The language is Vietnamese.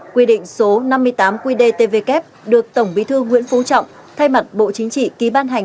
quy định số năm mươi tám qdtvk được tổng bí thư nguyễn phú trọng thay mặt bộ chính trị ký ban hành